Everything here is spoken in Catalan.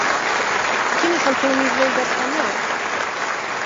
Quin és el teu nivell d'espanyol?